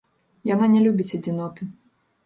Яна не любіць адзіноты.